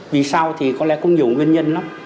vì sao thì có lẽ cũng nhiều nguyên nhân lắm